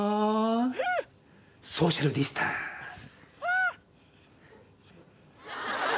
ソーシャルディスタンス。